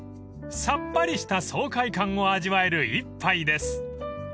［さっぱりした爽快感を味わえる一杯です］